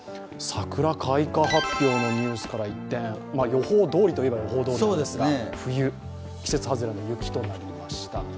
桜開花発表のニュースから一転、予報どおりといえば予報どおりなんですが、冬、季節外れの雪となりました。